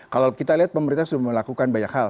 kalau kita lihat pemerintah sudah melakukan banyak hal